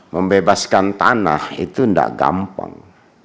membebaskan tanah itu tidak gampang